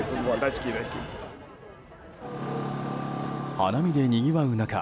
花見でにぎわう中